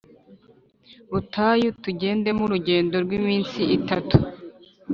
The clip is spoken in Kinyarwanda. Butayu tugendemo urugendo rw iminsi itatu